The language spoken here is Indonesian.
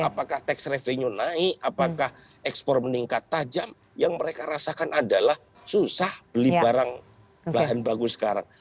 apakah tax revenue naik apakah ekspor meningkat tajam yang mereka rasakan adalah susah beli barang bahan baku sekarang